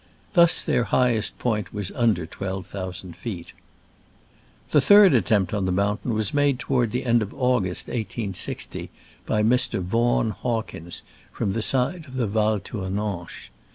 Thus their highest point was under twelve thousand feet. The third attempt upon the mountain was made toward the end of August, i860, by Mr. Vaughan Hawkins, from the side of the Val Tournanche.